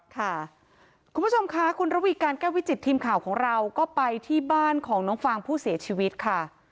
คุณผู้ชมค่ะคุณระวีการแก้ววิจิตทีมข่าวของเราก็ไปที่บ้านของน้องฟางผู้เสียชีวิตค่ะ